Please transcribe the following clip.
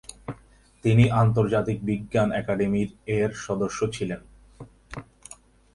তিনি "আন্তর্জাতিক বিজ্ঞান একাডেমী" এর একজন সদস্য ছিলেন।